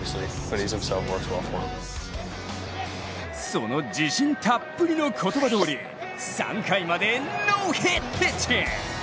その自信たっぷりの言葉どおり、３回までノーヒットピッチング。